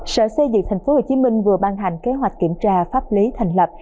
sở xây dựng tp hcm vừa ban hành kế hoạch kiểm tra pháp lý thành lập